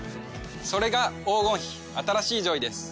それが黄金比新しいジョイです。